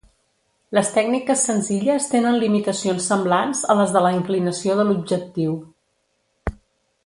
Les tècniques senzilles tenen limitacions semblants a les de la inclinació de l'objectiu.